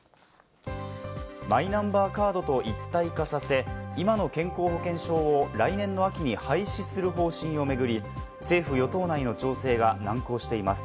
マイナンバーカードと一体化させ、今の健康保険証を来年の秋に廃止する方針を巡り、政府与党内の調整が難航しています。